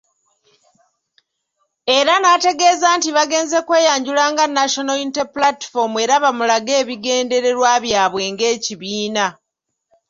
Era n'ategeeza nti bagenze kweyanjula nga National Unity Platform era bamulage ebigendererwa byabwe nga ekibiina.